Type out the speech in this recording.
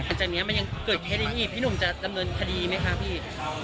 หลังจากนี้มันยังเกิดเคสอีกพี่หนุ่มจะดำเนินคดีไหมคะพี่